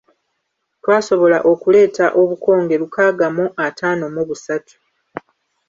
Twasobola okuleeta obukonge lukaaga mu ataano mu busatu.